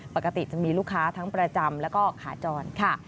ปกติจะมีลูกค้าทั้งประจำแล้วก็ขาจรค่ะ